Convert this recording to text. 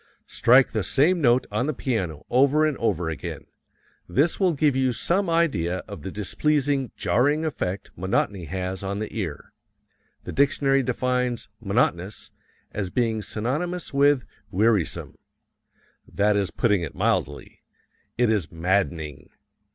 Strike the same note on the piano over and over again. This will give you some idea of the displeasing, jarring effect monotony has on the ear. The dictionary defines "monotonous" as being synonymous with "wearisome." That is putting it mildly. It is maddening.